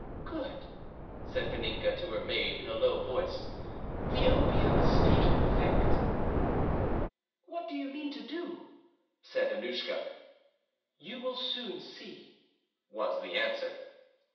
"Good!" said Vaninka to her maid in a low voice: "the opium is taking effect." "What do you mean to do?" said Annouschka. "You will soon see," was the answer.